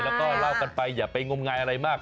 แล้วก็เล่ากันไปอย่าไปงมงายอะไรมาก